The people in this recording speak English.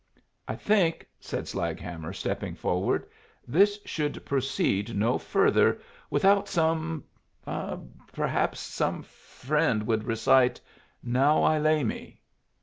"I think," said Slaghammer, stepping forward, "this should proceed no further without some perhaps some friend would recite 'Now I lay me?"'